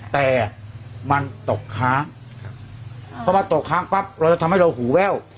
แต่มันตกค้างพอมาตกค้างปั๊บเราจะทำให้เราหูแว่ว